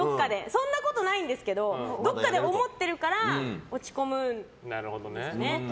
そんなことないんですけどどこかで思っているから落ち込むんですよね。